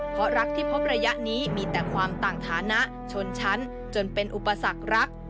เพราะรักที่พบระยะนี้มีแต่ความต่างฐานะชนชั้นจนเป็นอุปสรรครัก